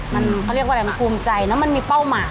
มันเขาเรียกว่าอะไรมันภูมิใจแล้วมันมีเป้าหมาย